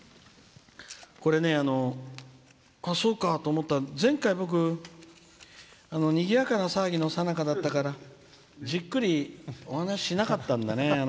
あ、そうかと思ったの前回、僕にぎやかな騒ぎのさなかだったからゆっくり話さなかったんだね。